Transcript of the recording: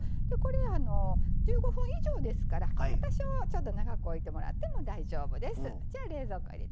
１５分以上ですから多少は長く置いてもらっても大丈夫です。